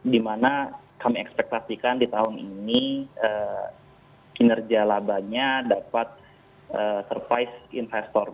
dimana kami ekspektasikan di tahun ini kinerja labanya dapat surprise investor